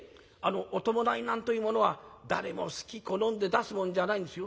お葬式なんというものは誰もすき好んで出すもんじゃないんですよ。